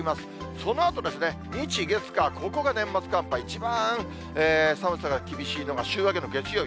そのあと、日、月、火、ここが年末寒波、一番寒さが厳しいのが週明けの月曜日。